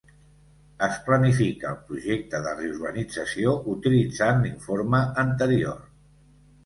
Es planifica el projecte de reorganització utilitzant l'informe anterior.